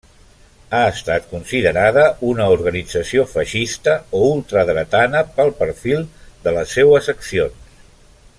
Ha estat considerada una organització feixista o ultradretana pel perfil de les seues accions.